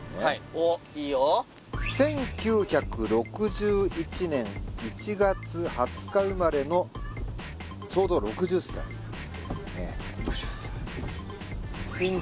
おいいよ１９６１年１月２０日生まれのちょうど６０歳ですね６０歳？